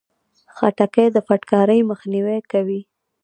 خټکی د فټکاري مخنیوی کوي.